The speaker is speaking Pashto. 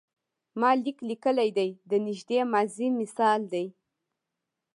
ما لیک لیکلی دی د نږدې ماضي مثال دی.